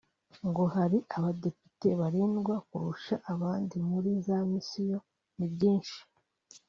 ngo hari abadepite barindwa kurusha abandi muri za missions n’ibyinshi